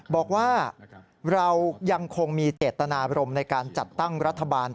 บอกว่าเรายังคงมีเจตนาบรมในการจัดตั้งรัฐบาล